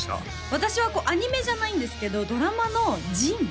私はこうアニメじゃないんですけどドラマの「ＪＩＮ−仁−」